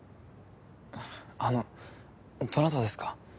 あのどなたですか？